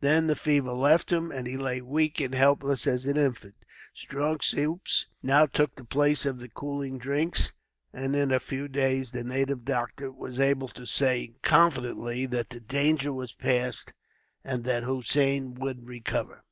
Then the fever left him, and he lay weak and helpless as an infant. Strong soups now took the place of the cooling drinks, and in a few days the native doctor was able to say, confidently, that the danger was passed, and that Hossein would recover.